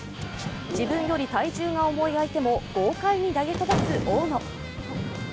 自分より体重が重い相手も豪快に投げ飛ばす大野。